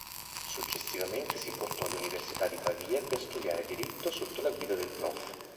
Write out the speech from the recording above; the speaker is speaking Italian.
Successivamente si portò all'Università di Pavia per studiare diritto sotto la guida del prof.